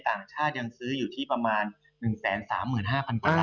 ต่างชาติยังซื้ออยู่ที่ประมาณ๑๓๕๐๐๐กว่าล้าน